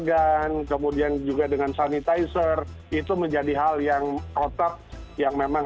nah ketika mereka akan belanja mereka akan berhadapan dengan safety net yang gampang